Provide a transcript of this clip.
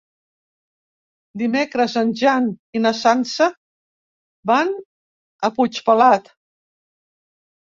Dimecres en Jan i na Sança van a Puigpelat.